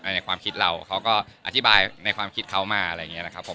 ในความคิดเราเขาก็อธิบายในความคิดเขามาอะไรอย่างนี้นะครับผม